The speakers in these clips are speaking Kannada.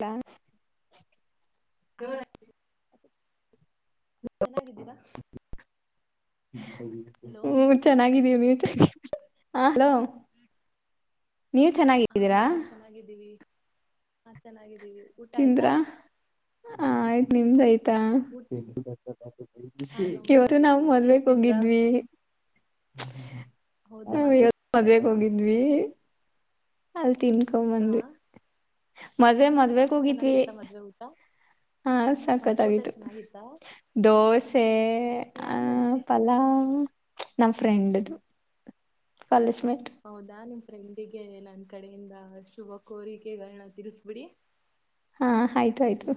ತಾ ಚೆನ್ನಾಗಿದ್ದೀರಾ ಹಲೋ ಹ್ಮ್ ಚೆನ್ನಾಗಿದ್ದೀವಿ ಹಾ ಹಲೋ [inaudible] ನೀವ ಹಾ ಚೆನ್ನಾಗಿದ್ದೀರಾ ಹೌದು ಚೆನ್ನಾಗಿದ್ದೀವಿ ಹಾ ಚೆನ್ನಾಗಿವಿ ತಿಂದ್ರಾ ಆ ಆಯ್ತ ನಿಮದ ಆಯ್ತ ಊಟ್ ಹಾ [unintelligible] ನಮ್ದು ಇವತ್ತು ನಾವು ಆಯ್ತು ಏನ್ ಮದವಿಗೆ ತಿಂದ್ರಾ ಹೋಗಿದ್ವಿ [inaudible] ಹೌದಾ ಹುಂ ಇವತ್ತ ಮದವಿಗೆ ಹೋಗಿದ ವಿ ಆಲ್ತೀನಿ ಹಾ ಕಮ್ಮಂದ ಮದವೆ ಮತ್ತ ಹೋಗ್ವಿ ಚೆನ್ನಾಗಿತ್ತ ಮದ್ವೆ ಊಟ ಹಾ ಮದ್ವೆ ಊಟ ಸಾಕತ್ಗಿತು ಚೆನ್ನಾಗಿತ್ತಾ ದೋಸೆ ತೆ ಆ ಯಾರ್ ಮದ್ವೆ ಪಲಾವು ನಮ್ಮ ಫ್ರೆಂಡದು ಕಾಲೇಜ್ ಹೌದಾ ನಿಮ ಫ್ರೆಂಡಿಗೆ ನನ್ ಕಡೆಯಿಂದ ಶುಭ ಕೋರಿಕೆಗಳನ್ನ ತಿರ್ಸ್ಬಿಡಿ ಹಾ ಆಯ್ತ ಆಯ್ತು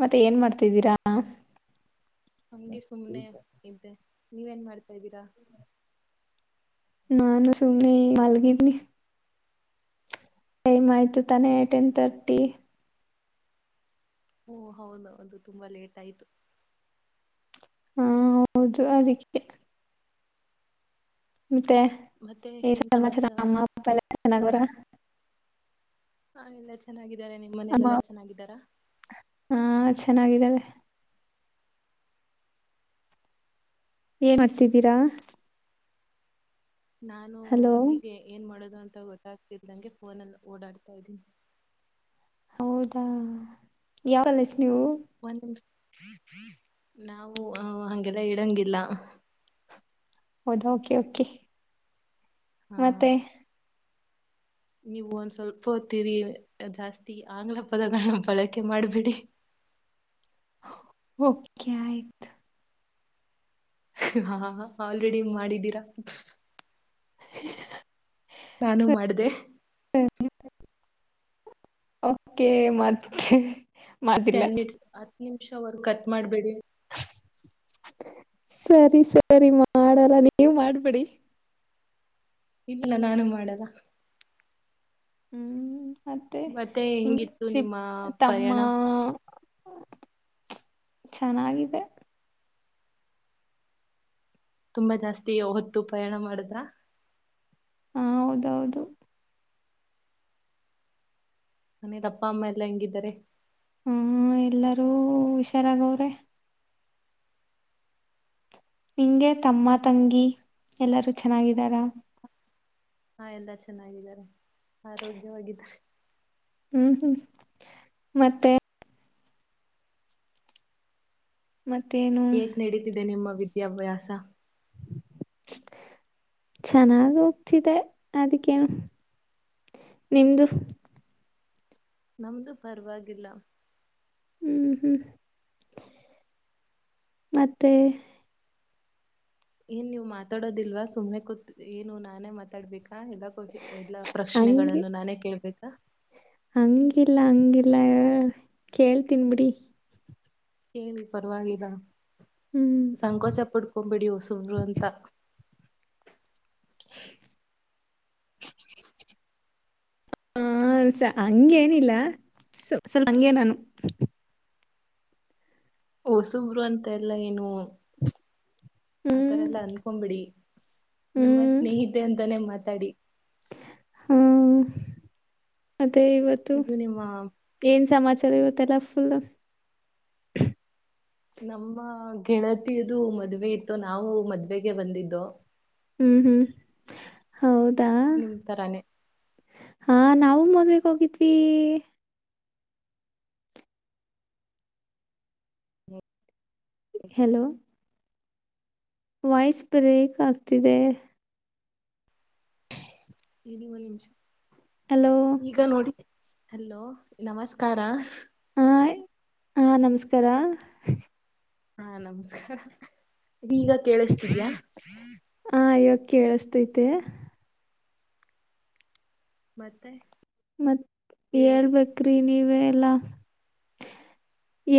ಮತ್ತೆ ಏನ್ ಮಾಡ್ತಿದ್ದೀರಾ ನಂಗೆ ಸುಮ್ಮ್ನೆ ಇದ್ದೆ ನೀವ ಏನ್ ಮಾಡತೀ ಹೇಳ್ದೀರಾ ನಾನ ಸುಮ್ನೆ ಮಲಗಾದಿನಿ ಟೈಮ್ ಆಯ್ತು ತಾನೇ ಟೆನ್ ತರ್ಟಿ ಓ ಹೌದು ಒಂದು ತುಂಬಾ ಲೇಟ್ ಆಯ್ತು ಹಾ ಹೌದು ಅದಕ್ಕೆ ಮತ್ತೆ ಮತ್ತೆ ಏನ್ ಸಮಾಚಾರ ಅಮ್ಮ ಅಪ್ಪ ಎಲ್ಲ ಚೆನ್ನಾಗೋರ ಹ ಎಲ್ಲ ಚೆನ್ನಾಗಿದ್ದೀವಿ ಇದಾರೆ ನಿಮ್ಮ ಅಮ್ಮ ಮನೆಯಲೆೆಲ್ಲಾ ಚೆನ್ನಾಗಿದ್ದಾರಾ ಬೆಲೆ ಏನ್ ಮಾಡ್ತಿದ್ದೀರಾ ನಾನು ಹಲೋ ಹೀಗೆ ಏನ್ ಮಾಡದು ಅಂತ ಗೊತ್ತಾಗ್ತಿದ್ದಂಗೆ ಫೋನಲ್ಲಿ ಓಡಾಡ್ತಾ ಇದ್ದೀನಿ ಹೌದಾ ಯಾವಲ್ಲ ನೀವು ಒಂದ್ ನಿಮಿಷ ನಾವು ಹಾಗೆಲ್ಲ ಇಡಂಗಿಲ್ಲ ಹೌದ ಓಕೆ ಓಕೆ... ಆ ಮತ್ತೆ ನೀವು ಒಂದ್ ಸ್ವಲ್ಪ ಹೊತ್ತ್ ಇರಿ. ಜಾಸ್ತಿ ಆಂಗ್ಲ ಪದಗಳನ್ನ ಬಳಕೆ ಮಾಡ್ಬಿಡಿ ಓಕೆ ಆಯ್ತು ಹಾ ಆಲ್ರೆಡಿ ಮಾಡಿದ್ದೀರಾ [inaudible] ನಾನು ಸರಿ ಮಾಡ್ದೆ ಓಕೆ ಮತ್ತೆ ಮಾಡಿಲ್ಲ ಇನಾಡಿಬಲ್ ನಿಮಿಷವರ್ ಕಟ್ ಮಾಡ್ಬೇಡಿ ಸರಿ ಸರಿ ಮಾಡಲ್ಲ, ನೀವು ಮಾಡ್ಬಿಡಿ ಇಲ್ಲ ನಾನು ಮಾಡಲ್ಲ ಹ್ಮ್ ಮತ್ತೆ ನಿಂಗ ಹೆಂಗಿತ್ತು ನಿಮ್ಮ ಪಯಣ ಇನಾಡಿಬಲ್ ಚೆನ್ನಾಗಿದೆ. ತುಂಬಾ ಜಾಸ್ತಿ ಹೊತ್ತು ಪ್ರಯಾಣ ಮಾಡುದ್ರ. ಹಾ ಹೌದ್ ಹೌದು ಮನೇದ್ ಅಪ್ಪ ಅಮ್ಮ ಎಲ್ಲಾ ಹೆಂಗಿದ್ದಾರೆ ಹ್ಮ್ ಎಲ್ಲರೂ ಹುಷಾರಾಗ ಅವ್ರೆ. ನಿಂಗೆ ತಮ್ಮ, ತಂಗಿ ಎಲ್ಲರೂ ಚೆನ್ನಾಗಿದಾರ ಹಾ ಎಲ್ಲ ಚೆನ್ನಾಗಿದ್ದಾರೆ. ಆರೋಗ್ಯವಾಗಿ ಇದಾರೆ ಹ್ಮ್ ಹ್ಮ್ ಮತ್ತೆ ಮತ್ತೇನು ಹೇಗ್ ನಡೀತಿದ್ದೆ ನಿಮ್ಮ ವಿದ್ಯಾಭ್ಯಾಸ ಚೆನ್ನಾಗ ಹೋಗ್ತಿದೆ ಅದಕ್ಕೇನು, ನಿಮ್ದು? ನಮ್ದು ಪರವಾಗಿಲ್ಲ! ಹ್ಮ್ ಹ್ಮ್ ಮತ್ತೆ! ಏನ್ ನೀವ್ ಮಾತಾಡೋದಿಲ್ವಾ ಸುಮನೇ ಕೂತ್ ಏನು ನಾನೇ ಮಾತಾಡ್ಬೇಕ. ಆ ಎಲ್ಲ ಗೊತ್. ಎಲ್ಲಾ ಹಂಗೆ ಪ್ರಶ್ನೆಗಳನ್ನು ನಾನೇ ಕೇಳ್ಬೇಕಾ? ಎಲ್ಲ ಕೇಳ್ತೀನ್ ಬಿಡಿ ಕೇಳಿ ಪರವಾಗಿಲ್ಲ ಹ್ಮ್ ಸಂಕೋಚ ಪಡ್ಕೊಬೇಡಿ ಹೊಸುಬ್ರು ಅಂತ. ಹಇನಾಡಿಬಲ್ ಹಸ ಹಂಗೇನಿಲ್ಲ. ಸ್ವಲ್ಪ ಹಂಗಗೆ ನಾನು ಹೊಸುಬ್ರು ಅಂತ ಎಲ್ಲ ಏನು. ಆತರ ಹ್ಮ್ ಎಲ್ಲ ಅನ್ಕೊಂಬಿಡಿ ನಿಮ್ಮ ಸ್ನೇಹಿತೆ ಅಂತಾನೆ ಮತ್ ತಡಿ ಹ್ಮ ಎ ಇವತ್ತು ಇದು ನಿಮ್ಮ ಏನ್ ಸಮಾಚಾರ ಇವ ತರ ಫುಲ್ ನಮ್ಮ ಗೆಳತಿದು ಮದ್ವೆ ಇತ್ತು, ನಾವು ಮದ್ವೆಗೆ ಬಂದಿದ್ದು. ಹ್ಮ್ ಹ್ಮ್ ಹೌದ್ ನಿಮ ತರಾನೆ. ಹಾ ನಾವು ಮದ್ವೇಗ್ ಹೋಗಿದ್ವಿ. ಹ್ಮ ಹಲೋ ವಾಯ್ಸ್ ಬ್ರೇಕ್ ಆಗ್ತಿದೆ. ಇರೀ ಒಂದ್ ನಿಮಿಷ. ಹಲೋ ಈಗ ನೋಡಿ ಹಲೋ ನಮಸ್ಕಾರ ಹಾಯ್ ಹಾ ನಮಸ್ಕಾರ ಹಾ ನಮಸ್ಕಾ ಹ್ಮ್ ಹ್ ಈಗ ಕೇಳಿಸ್ತಿದ್ಯಾ? ಕೇಳಸ್ತೈತೆ ಮತ್ತೆ ಮತ್ ಹೇಳಿ ಹೇಳ್ಬೇಕ್ರಿ ನೀವ್ ವೆ ಎಲ್ಲ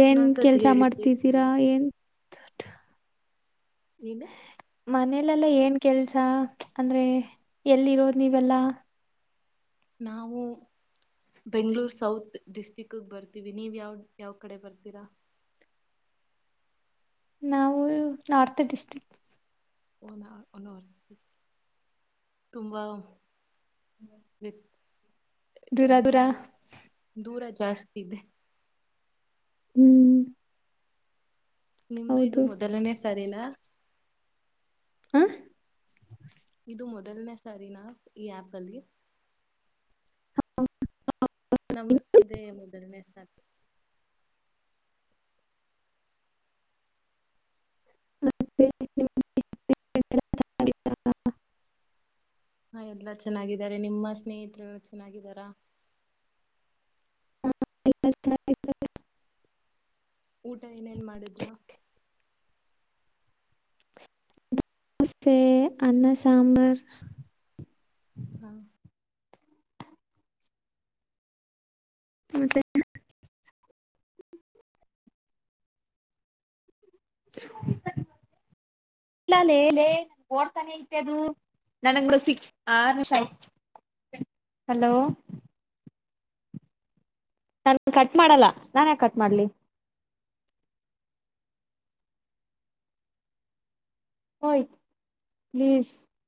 ಏನ್ ಇನ್ನೊಂದ್ಸತಿ ಕೆಲ್ಸ ಹೇಳಿ ಕೇಳ್ಸಿಲ್ಲ ಮಾಡ್ತಿದ್ದೀರಾ ಏನ್ ನಿನು ಮನೇಲೆಲ್ಲ ಏನ್ ಕೆಲ್ಸ ಅಂದ್ರೆ ಎಲ್ಲಿ ಇರೋದ್ ನೀವೆಲ್ಲಾ? ನಾವು ಬೆಂಗ್ಳೂರ್ ಸೌತ್ ಡಿಸ್ಟ್ರಿಕ್ಕಗ್ ಬರ್ತೀವಿ ನೀವು ಯಾವ ಯಾವ ಕಡೆ ಬರ್ತೀರಾ? ನಾವು ನಾರ್ತ್ ಡಿಸ್ಟ್ರಿಕ್. ಓಹ್ ನಾ [unintelligible] ತುಂಬಾ ಹ್ಮ್ ಅ ದೂರ ಜಾಸ್ತಿ ಇದೆ ಹ್ಮ್ ನಿಮ್ದು ಇದು ಮೊದಲನೇ ಸರಿನ? ಆ ಇದು ಮೊದಲನೇ ಸಾರಿನ ಈ ಆ್ಯಪಲ್ಲಿ, [unintelligible] ನಮ್ದು ಇದೇ ಮೋ ಸರಿನೆ ಸಾ [inaudible] ಹಾ ಎಲ್ಲಾ ಚೆನ್ನಾಗಿದ್ದಾರೆ ನಿಮ್ಮ ಸ್ನೇಹಿತರು ಚೆನ್ನಾಗಿದಾರ ಎಲ್ಲಾ ಚೆನ್ನಾಗಿದ್ದಾರೆ ಊಟ ಏನೇನ್ ಮಾಡಿದ್ರ ದೋಸೆ ಅನ್ನ ಸಾಂಬಾರ್ ಹ ಮತ್ತೆ ಲೇ ಲೇ ಓಡ್ತಾನೆ ಆಯ್ತೆ ಅದು ನನಗೆ ಸಿಕ್ಸ್ ಆರು ನಿಮಿಷ ಹಲೋ ನಾನು ಕಟ್ ಮಾಡಲ್ಲ ನಾನ್ ಯಾಕ ಕಟ್ ಮಾಡ್ಲಿ ಓಯ್ ಪ್ಲೀಸ್